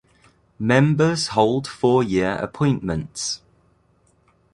Members hold four-year appointments.